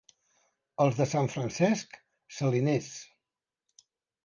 Els de Sant Francesc, saliners.